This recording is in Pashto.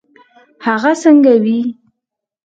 هغه څنګه وي.